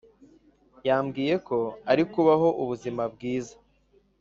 Yambwiye ko ari kubaho ubuzima bwiza